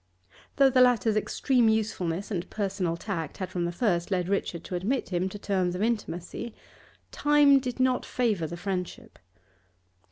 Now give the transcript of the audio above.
Though the latter's extreme usefulness and personal tact had from the first led Richard to admit him to terms of intimacy, time did not favour the friendship.